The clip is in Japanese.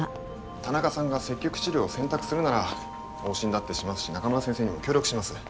田中さんが積極治療を選択するなら往診だってしますし中村先生にも協力します。